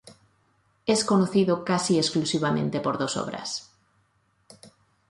Es conocido casi exclusivamente por dos obras.